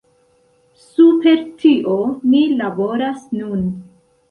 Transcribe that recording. Super tio ni laboras nun.